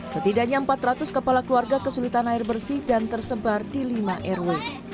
setidaknya empat ratus kepala keluarga kesulitan air bersih dan tersebar di lima rw